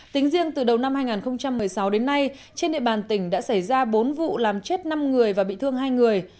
tính riêng từ đầu năm hai nghìn một mươi sáu đến nay trên địa bàn tỉnh đã xảy ra bốn vụ làm chết năm người và bị thương hai người